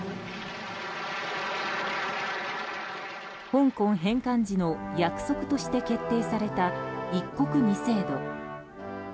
香港返還時の約束として決定された、一国二制度。